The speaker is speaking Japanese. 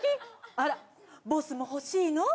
あらボスも欲しいの？